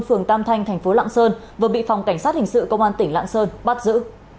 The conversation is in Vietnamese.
phường tam thanh thành phố lạng sơn vừa bị phòng cảnh sát hình sự công an tỉnh lạng sơn bắt giữ